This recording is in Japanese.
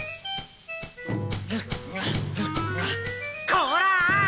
こら！